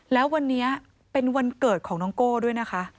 แล้ววันนี้เป็นวันเกิดของน้องโก้ด้วยนะคะ